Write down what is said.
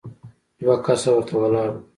دوه کسه ورته ولاړ وو.